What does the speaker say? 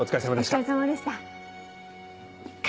お疲れさまでした。